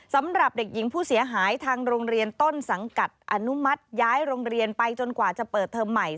สำหรับเด็กหญิงผู้เสียหายทางโรงเรียนต้นสังกัดอนุมัติย้ายโรงเรียนไปจนกว่าจะเปิดเทอมใหม่